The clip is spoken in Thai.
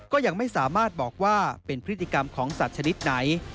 ก็ยังไม่สามารถบอกว่าเป็นพฤติกรรมของสัตว์ชนิดไหน